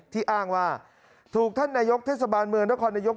อ้างว่าถูกท่านนายกเทศบาลเมืองนครนายก